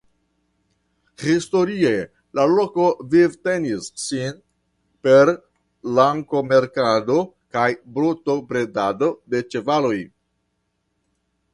Historie la loko vivtenis sin per lankomercado kaj brutobredado de ĉevaloj.